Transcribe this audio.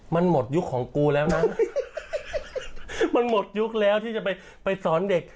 มันหมดยุคของกูแล้วนะมันหมดยุคแล้วที่จะไปไปสอนเด็ก